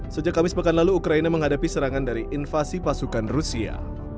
sejak kamis mekan lalu ukraina menghadapi serangan dari invasi pasukan rusia